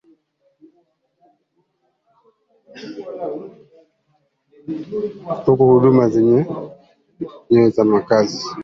huku huduma zenyewe za makazi